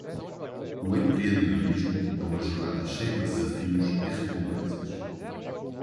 O empreendedorismo é uma jornada cheia de desafios e recompensas.